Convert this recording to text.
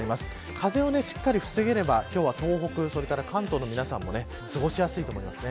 風をしっかり防げれば今日は東北、それから関東の皆さんも過ごしやすいと思います。